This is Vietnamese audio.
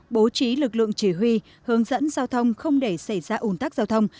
bố trí lực lượng chỉ huy hướng dẫn giao thông không để xảy ra ủn tắc giao thông